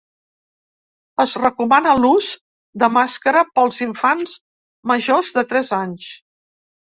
Es recomana l’ús de màscara pels infants majors de tres anys.